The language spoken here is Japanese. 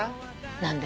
何で？